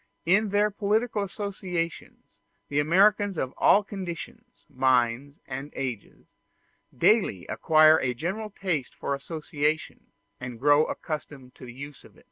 In their political associations, the Americans of all conditions, minds, and ages, daily acquire a general taste for association, and grow accustomed to the use of it.